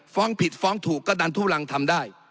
ฟ้องผิดฟ้องถูกก็ดันทุลังทำได้